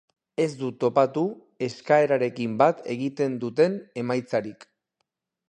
Ez dut topatu eskaerarekin bat egiten duten emaitzarik.